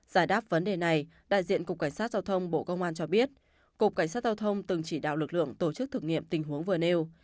giải đáp vấn đề này đại diện cục cảnh sát giao thông bộ công an cho biết cục cảnh sát giao thông từng chỉ đạo lực lượng tổ chức thực nghiệm tình huống vừa nêu